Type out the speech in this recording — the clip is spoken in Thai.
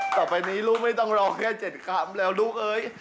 ต่อไปนี้ลูกไม่ต้องรอแค่๗คำแล้วลูกเอ้ย